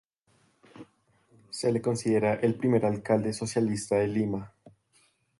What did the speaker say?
Se le considera el primer alcalde socialista de Lima.